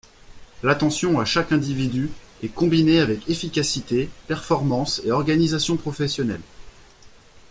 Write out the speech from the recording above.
L'attention à chaque individu est combinée avec efficacité, performance et organisation professionnelle.